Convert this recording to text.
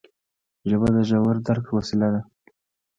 ژبه د ژور درک وسیله ده